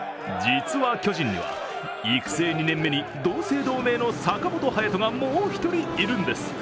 実は巨人には、育成２年目に同姓同名の坂本勇人がもう１人いるんです。